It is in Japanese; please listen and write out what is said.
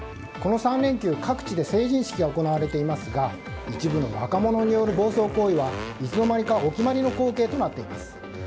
この３連休各地で成人式が行われていますが一部の若者による暴走行為はいつの間にかお決まりの光景となっています。